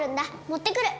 持ってくる。